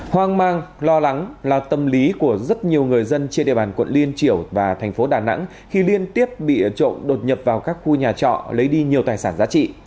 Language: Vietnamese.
hoang mang lo lắng là tâm lý của rất nhiều người dân trên địa bàn quận liên triểu và thành phố đà nẵng khi liên tiếp bị trộm đột nhập vào các khu nhà trọ lấy đi nhiều tài sản giá trị